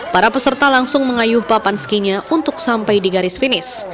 para peserta langsung mengayuh papan skinya untuk sampai di garis finish